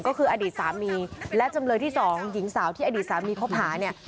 ก็คืออดีตสามีและจำเลยที่สองหญิงสาวที่อดีตสามีคบหาเนี่ย